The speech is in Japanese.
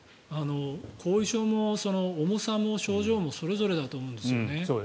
後遺症も重さも症状もそれぞれだと思うんですよね。